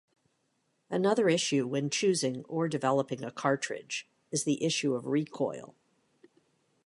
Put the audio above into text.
Another issue, when choosing or developing a cartridge, is the issue of recoil.